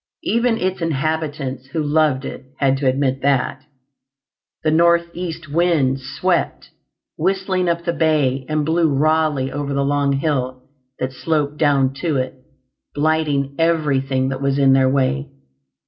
Even its inhabitants, who loved it, had to admit that. The northeast winds swept whistling up the bay and blew rawly over the long hill that sloped down to it, blighting everything that was in their way.